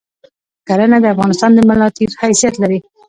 کرهنه د افغانستان د ملاتیر حیثیت لری